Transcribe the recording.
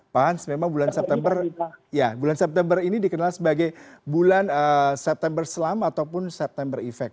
pak hans memang bulan september ini dikenal sebagai bulan september selama ataupun september effect